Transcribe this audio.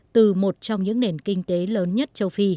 từ một trong những nền kinh tế lớn nhất